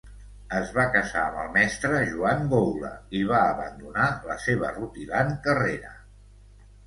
Es va casar amb el mestre Joan Goula i va abandonar la seva rutilant carrera.